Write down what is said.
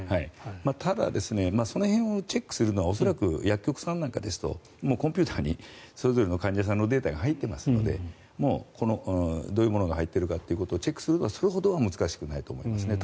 ただ、その辺をチェックするのは薬局さんなんかですとコンピューターにそれぞれの患者さんのデータが入っていますのでどういうものが入っているかをチェックするのはそれほどは難しくないと思います。